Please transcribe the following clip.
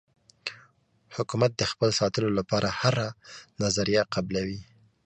حکومت د خپل ساتلو لپاره هره نظریه قبلوي.